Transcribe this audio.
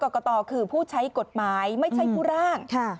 กตคือผู้ใช้กฎหมายไม่ใช่ผู้ร่าง